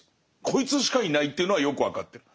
こいつしかいないっていうのはよく分かってる。